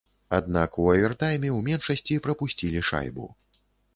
Аднак у авертайме ў меншасці прапусцілі шайбу.